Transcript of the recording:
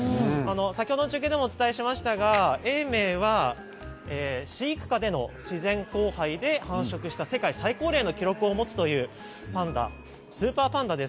中継でもお伝えしましたが永明は飼育下での自然交配で繁殖した世界最高齢の記録を持つパンダです。